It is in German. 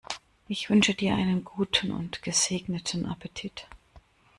Ich wünsche dir einen guten und gesegneten Appetit!